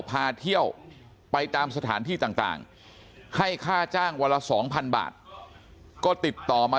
พาเที่ยวไปตามสถานที่ต่างให้ค่าจ้างวันละ๒๐๐๐บาทก็ติดต่อมา